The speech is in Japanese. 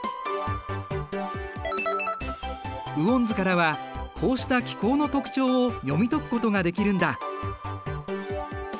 雨温図からはこうした気候の特徴を読み解くことができるんだ。